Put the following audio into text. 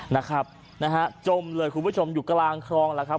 นะครับนะฮะจมเลยคุณผู้ชมอยู่กลางคลองแล้วครับ